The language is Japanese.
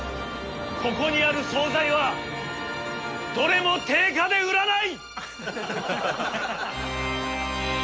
ここにある総菜はどれも定価で売らない！